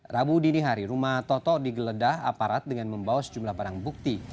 rabu dini hari rumah toto digeledah aparat dengan membawa sejumlah barang bukti